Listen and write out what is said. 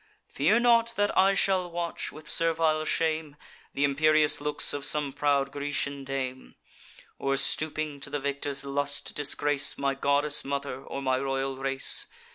Fear not that I shall watch, with servile shame, Th' imperious looks of some proud Grecian dame; Or, stooping to the victor's lust, disgrace My goddess mother, or my royal race.